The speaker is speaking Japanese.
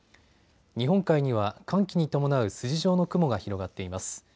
日本海には寒気に伴う筋状の雲が広がっています。